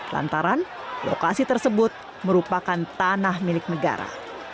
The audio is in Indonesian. lantaran lokasi tersebut merupakan tanah milik negara